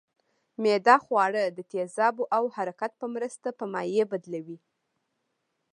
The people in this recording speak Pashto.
معده خواړه د تیزابو او حرکت په مرسته په مایع بدلوي